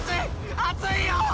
熱いよ！